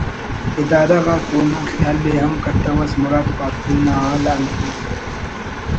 ادارہ غاک اونا خیال ءِ ہم کتوس مراد پارکوئی ناحال انت مس